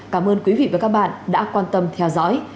cảm ơn quý vị và các bạn đã quan tâm theo dõi